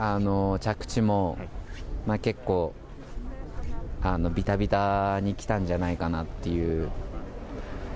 着地も結構、ビタビタにきたんじゃないかなっていう。